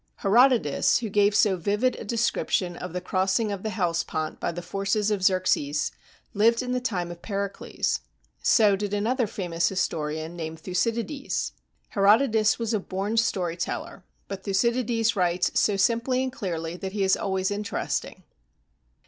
Herodotus, who gave so vivid a description of the crossing of the Hellespont by the forces of Xerxes, lived in the time of Pericles. So did another famous historian named Thucydides. Herodotus was a born story teller, but Thucydides writes so simply and clearly that he is always interesting.